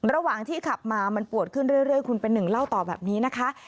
ระหว่างที่ขับมามันปวดขึ้นเรื่อยคุณเป็นหนึ่งเล่าต่อแบบนี้นะคะ